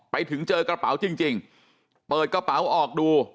ไปถึงเจอกระเป๋าจริงเปิดกระเป๋าออกดู